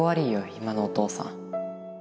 今のお父さん。